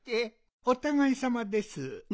おたがいさまです。